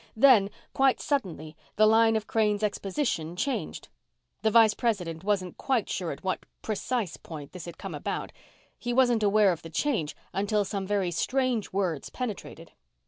Then, quite suddenly, the line of Crane's exposition changed. The Vice President wasn't quite sure at what precise point this had come about. He wasn't aware of the change until some very strange words penetrated